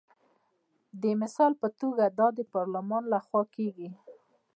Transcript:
د مثال په توګه دا د پارلمان لخوا کیږي.